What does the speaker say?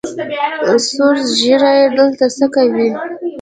سور ږیریه دلته څۀ کوې؟